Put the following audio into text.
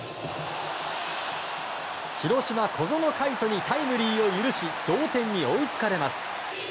広島、小園海斗にタイムリーを許し同点に追いつかれます。